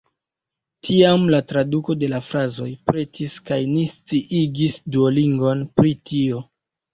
Tiam la traduko de la frazoj pretis kaj ni sciigis Duolingon pri tio.